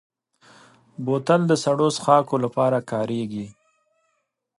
بوتل د سړو څښاکو لپاره کارېږي.